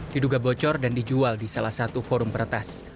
diduga bocor dan dijual di salah satu forum peretas